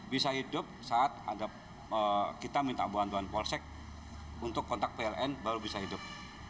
bisa hidup saat kita minta bantuan polsek untuk kontak pln baru bisa hidup